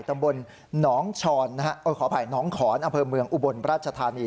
ตำบลน้องขอนอำเภอเมืองอุบลประชาธานี